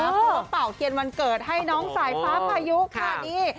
เพราะว่าเป่าเทียนวันเกิดให้น้องสายฟ้าพายุค่ะนี่